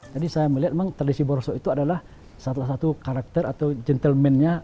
jadi saya melihat memang tradisi maroso itu adalah salah satu karakter atau gentlemannya